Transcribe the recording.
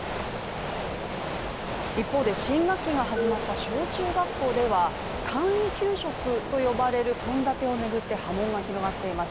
一方で新学期が始まった小中学校では簡易給食と呼ばれる献立を巡って波紋が広がっています